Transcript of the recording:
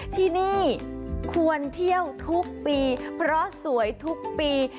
ที่นี่ควรเที่ยวทุกปีเพราะสวยทุกปี